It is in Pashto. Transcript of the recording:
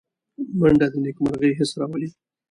منډه د نېکمرغۍ حس راولي